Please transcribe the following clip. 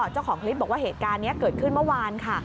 เจ้าของคลิปบอกว่าเหตุการณ์นี้เกิดขึ้นเมื่อวานค่ะ